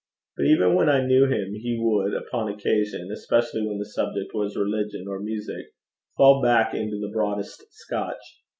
But even when I knew him, he would upon occasion, especially when the subject was religion or music, fall back into the broadest Scotch.